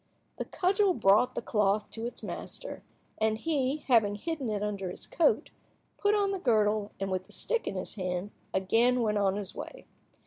The cudgel brought the cloth to its master, and he, having hidden it under his coat, put on the girdle and, with the stick in his hand, again went on his way.